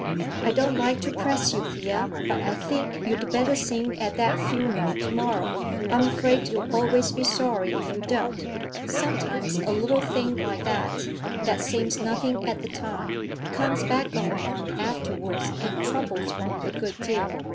"I don't like to press you, Thea, but I think you'd better sing at that funeral to morrow. I'm afraid you'll always be sorry if you don't. Sometimes a little thing like that, that seems nothing at the time, comes back on one afterward and troubles one a good deal.